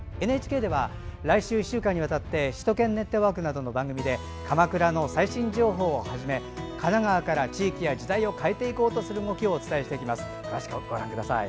ＮＨＫでは来週１週間にわたって「首都圏ネットワーク」などの番組で鎌倉の最新情報をはじめ神奈川から地域や時代を変えていこうとする動きをお伝えします。